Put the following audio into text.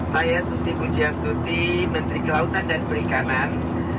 saya susi pujiastuti menteri kelautan dan perikanan